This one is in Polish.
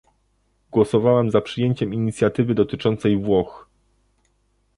Głosowałam za przyjęciem inicjatywy dotyczącej Włoch